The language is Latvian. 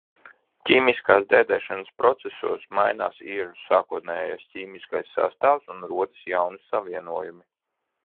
Ķīmiskās dēdēšanas procesos mainās iežu sākotnējais ķīmiskais sastāvs un rodas jauni savienojumi.